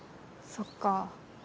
そっか。